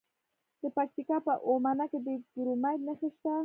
د پکتیکا په اومنه کې د کرومایټ نښې شته.